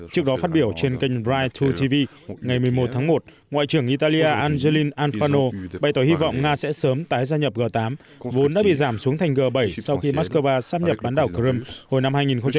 trước đó phát biểu trên kênh bright hai tv ngày một mươi một tháng một ngoại trưởng italia angeline anfano bày tỏ hy vọng nga sẽ sớm tái gia nhập g tám vốn đã bị giảm xuống thành g bảy sau khi moscow sắp nhập bán đảo crimea hồi năm hai nghìn một mươi bốn